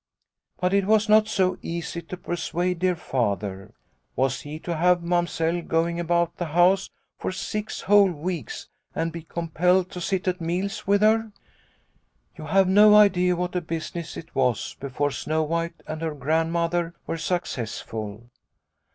" But it was not so easy to persuade dear Father. Was he to have Mamsell going about the house for six whole weeks and be compelled to sit at meals with her ?" You have no idea what a business it was before Snow White and her Grandmother were successful.